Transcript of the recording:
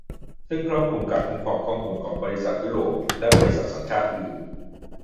ซึ่งครอบคลุมการคุ้มครองข้อมูลของบริษัทยุโรปและบริษัทสัญชาติอื่น